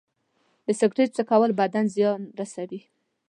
د سګرټ څکول بدن زیان رسوي.